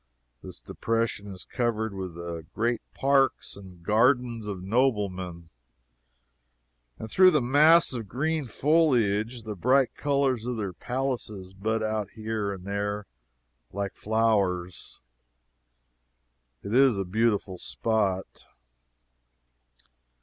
This depression is covered with the great parks and gardens of noblemen, and through the mass of green foliage the bright colors of their palaces bud out here and there like flowers. It is a beautiful spot.